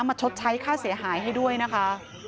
ชดใช้ค่าเสียหายให้ด้วยนะคะ